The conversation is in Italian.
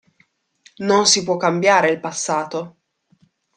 Non si può cambiare il passato.